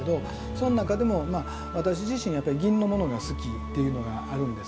その中でも私自身やっぱり銀のものが好きっていうのがあるんですね。